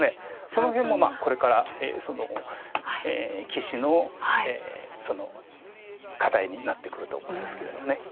その辺もこれから棋士の課題になってくると思うんですけれども。